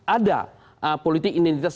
ada politik identitas